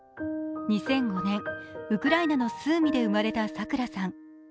２００５年、ウクライナのスーミで生まれた桜さん。